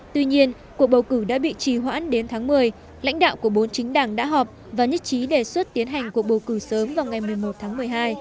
tuy nhiên cuộc bầu cử đã bị trì hoãn đến tháng một mươi lãnh đạo của bốn chính đảng đã họp và nhất trí đề xuất tiến hành cuộc bầu cử sớm vào ngày một mươi một tháng một mươi hai